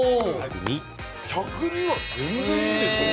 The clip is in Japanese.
１０２は全然いいでしょう。